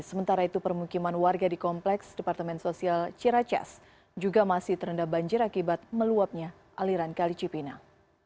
sementara itu permukiman warga di kompleks departemen sosial ciracas juga masih terendam banjir akibat meluapnya aliran kali cipinang